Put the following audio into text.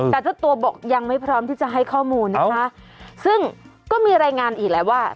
แต่เจ้าตัวบอกยังไม่พร้อมที่จะให้ข้อมูลนะคะซึ่งก็มีรายงานอีกแล้วว่า